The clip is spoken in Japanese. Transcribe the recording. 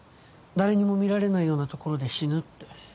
誰にも見られないような所で死ぬって。